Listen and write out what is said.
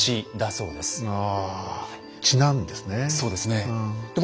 そうですね。